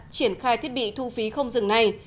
triển khai thiết bị thu phí không dừng này